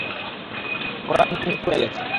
পরাণ নিষেধ করিয়া দিয়াছে।